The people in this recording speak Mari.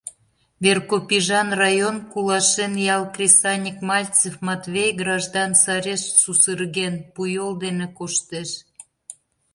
Веркопижан район, Кулашен ял кресаньык Мальцев Матвей граждан сареш сусырген, пу йол дене коштеш.